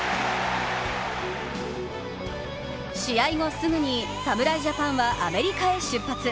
試合後すぐに侍ジャパンはアメリカに出発。